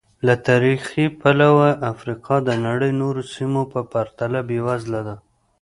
له تاریخي پلوه افریقا د نړۍ نورو سیمو په پرتله بېوزله ده.